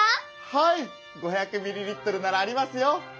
はい５００ｍＬならありますよ。